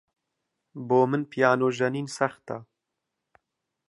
بۆ من پیانۆ ژەنین سەختە.